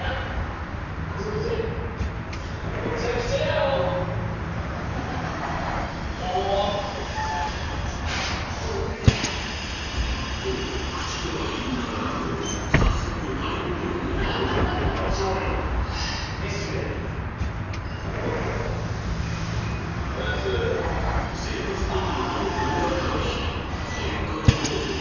もうと口では言いながらも早速ハイボールをあおるとはあっ生活ポイントをフル使いし宴会モードへ